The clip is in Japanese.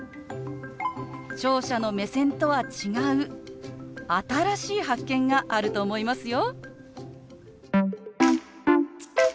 聴者の目線とは違う新しい発見があると思いますよ。